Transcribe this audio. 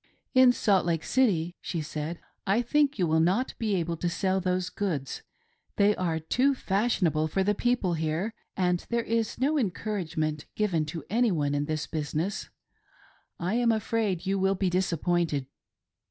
" In Salt Lake City," she said, " I think you will not be able to sell those goods ; they are too fashionable for the people here, and there is no encouragement given to any one in this business. I am afraid you will be disappointed."